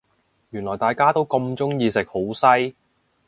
原來大家都咁鍾意食好西